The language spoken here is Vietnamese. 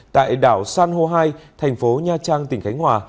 tại đảo san hô hai thành phố nha trang tỉnh khánh hòa